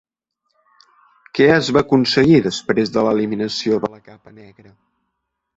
Què es va aconseguir després de l'eliminació de la capa negra?